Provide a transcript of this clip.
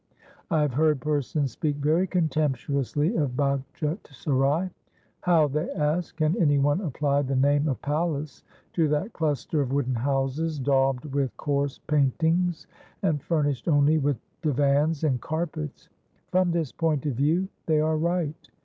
I have heard persons speak very contemptuously of Bagtche Serai. 'How' they ask, 'can any one apply the name of palace to that cluster of wooden houses, daubed with coarse paintings, and furnished only with divans and carpets?' From this point of view they are right.